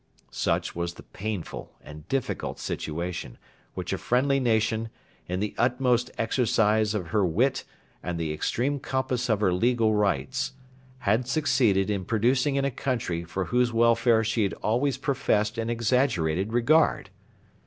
Such was the painful and difficult situation which a friendly nation, in the utmost exercise of her wit and the extreme compass of her legal rights, had succeeded in producing in a country for whose welfare she had always professed an exaggerated regard.